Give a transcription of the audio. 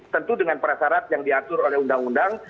tentu dengan prasarat yang diatur oleh undang undang